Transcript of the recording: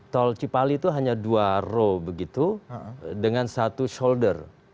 tol cipali itu hanya dua row begitu dengan satu shoulder